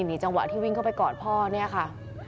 นี่จังหวะที่วิ่งเข้าไปกอดพ่อเนี่ยค่ะ